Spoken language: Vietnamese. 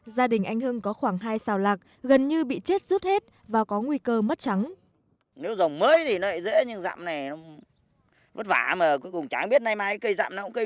gia đình anh hưng có khoảng hai xào lạc gần như bị chết rút hết và có nguy cơ mất trắng